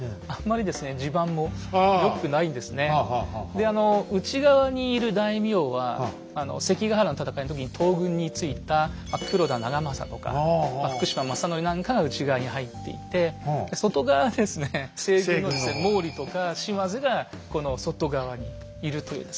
であの内側にいる大名は関ヶ原の戦いの時に東軍についた黒田長政とか福島正則なんかが内側に入っていて外側はですね西軍の毛利とか島津がこの外側にいるというですね。